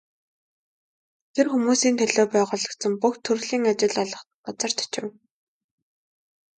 Тэр хүмүүсийн төлөө байгуулагдсан бүх төрлийн ажил олгодог газарт очив.